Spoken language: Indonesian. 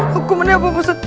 hukumannya apa ustadz